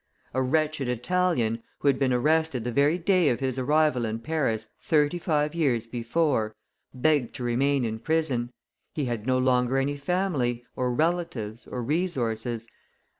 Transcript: A wretched Italian, who had been arrested the very day of his arrival in Paris, thirty five years before, begged to remain in prison; he had no longer any family, or relatives, or resources.